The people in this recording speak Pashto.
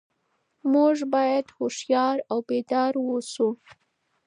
موږ باید هوښیار او بیدار اوسو.